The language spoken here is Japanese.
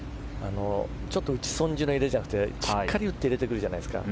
ちょっと打ち損じの入れじゃなくてしっかり打って入れてくるじゃないですか。